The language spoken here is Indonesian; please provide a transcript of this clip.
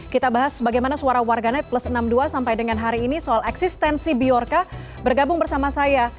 kita bahas bagaimana suara warganet plus enam puluh dua sampai dengan hari ini soal eksistensi biorka bergabung bersama saya